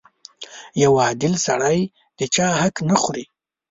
• یو عادل سړی د چا حق نه خوري.